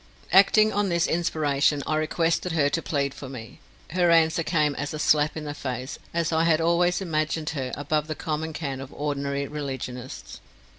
Acting on this inspiration, I requested her to plead for me. Her answer came as a slap in the face, as I had always imagined her above the common cant of ordinary religionists.